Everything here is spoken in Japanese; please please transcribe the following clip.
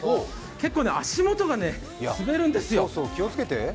結構、足元が滑るんですよ。